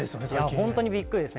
本当にびっくりですね。